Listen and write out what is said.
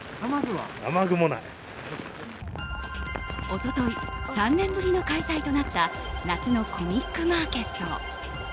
一昨日３年ぶりの開催となった夏のコミックマーケット。